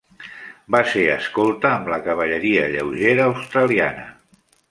Va ser escolta amb la cavalleria lleugera australiana.